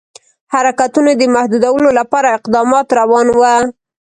حرکتونو د محدودولو لپاره اقدامات روان وه.